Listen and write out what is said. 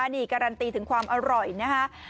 นี่การันตีถึงความอร่อยนะคะ